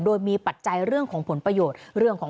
โดยมีปัจจัยเรื่องของผลประโยชน์